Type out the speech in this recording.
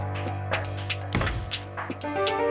bapak lo mau ke mana